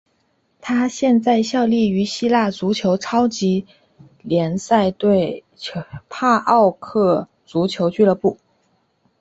他现在效力于希腊足球超级联赛球队帕奥克足球俱乐部。